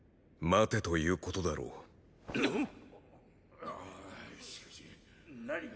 待てということだろう。っ！